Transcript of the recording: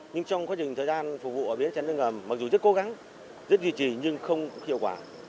nhưng trong quá trình thời gian phục vụ ở biến chăn nước ngầm mặc dù rất cố gắng rất duy trì nhưng không hiệu quả